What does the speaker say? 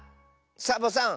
サボさん